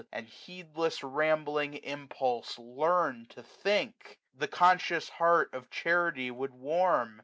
And heedless rambling Impulse learn to think; The conscious heart of Charity would warm.